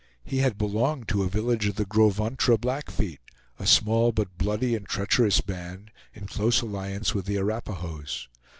He had belonged to a village of the Gros Ventre Blackfeet, a small but bloody and treacherous band, in close alliance with the Arapahoes.